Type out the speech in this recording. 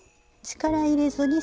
力入れずに。